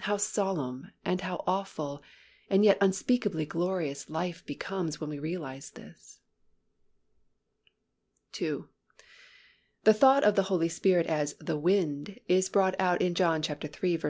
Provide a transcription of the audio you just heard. How solemn and how awful and yet unspeakably glorious life becomes when we realize this. 2. The thought of the Holy Spirit as "the Wind" is brought out in John iii.